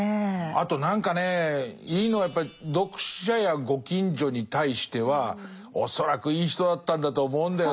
あと何かねいいのはやっぱり読者やご近所に対しては恐らくいい人だったんだと思うんだよな。